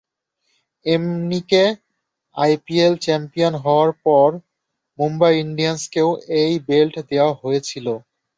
এমনিকে IPL champion হওয়ার পর মুম্বাই ইন্ডিয়ানসকেও এই বেল্ট দেওয়া হয়েছিল।